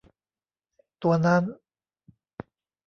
ตัวนั้น